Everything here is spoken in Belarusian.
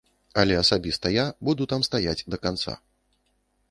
Але асабіста я буду там стаяць да канца.